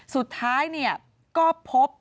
สุดท้ายเนี่ยก็พบ